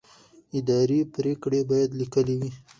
اداري پرېکړې باید لیکلې وي.